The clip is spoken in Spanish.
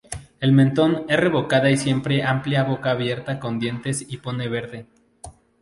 El mentón es revocada siempre y amplia boca abierta con dientes y pone verde.